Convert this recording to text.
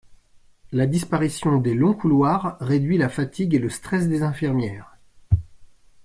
La disparition des longs couloirs réduit la fatigue et le stress des infirmières.